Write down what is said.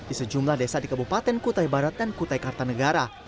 di sejumlah desa di kabupaten kutai barat dan kutai kartanegara